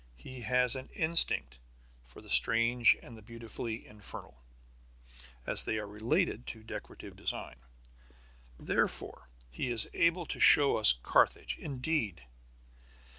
He has an instinct for the strange and the beautifully infernal, as they are related to decorative design. Therefore he is able to show us Carthage indeed.